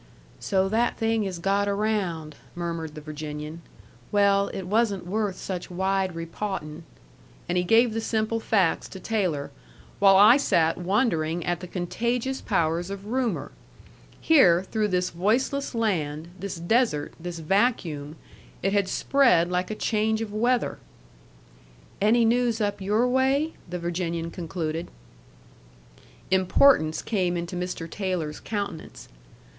"So that thing has got around," murmured the Virginian. "Well, it wasn't worth such wide repawtin'." And he gave the simple facts to Taylor, while I sat wondering at the contagious powers of Rumor. Here, through this voiceless land, this desert, this vacuum, it had spread like a change of weather. "Any news up your way?" the Virginian concluded. Importance came into Mr. Taylor's countenance.